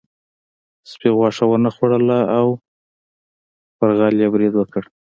سپي غوښه ونه خوړله او په غل یې برید وکړ.